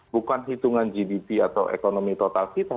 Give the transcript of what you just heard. bukan hitungan gdp atau ekonomi total kita